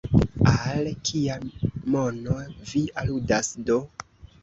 Al kia mono vi aludas do?